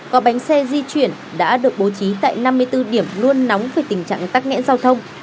có bánh xe di chuyển đã được bố trí tại năm mươi bốn điểm luôn nóng về tình trạng tắc nghẽn giao thông